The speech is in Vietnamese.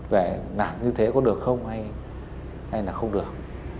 vậy làm như thế có được không hay là không được